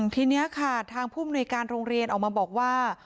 ทีนี้ค่ะทางผู้มนุยการโรงเรียนออกมาบอกว่า